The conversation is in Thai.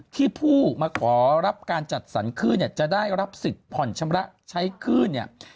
ที่ผู้มาขอรับการจัดสรรคลื่นจะได้รับสิทธิ์ผ่อนชำระใช้คลื่น